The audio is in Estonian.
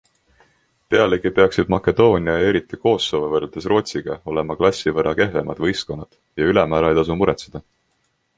Pealegi peaksid Makedoonia ja eriti Kosovo võrreldes Rootsiga olema klassi võrra kehvemad võistkonnad ja ülemäära ei tasu muretseda.